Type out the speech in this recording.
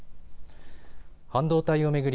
半導体を巡り